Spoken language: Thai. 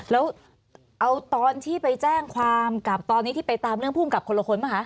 แล้วเอาตอนที่ไปแจ้งความกับตอนนี้ที่ไปตามเรื่องภูมิกับคนละคนป่ะคะ